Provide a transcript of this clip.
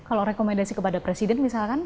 kalau rekomendasi kepada presiden misalkan